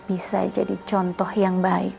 bisa jadi contoh yang baik